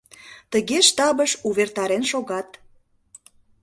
Тыге штабыш увертарен шогат.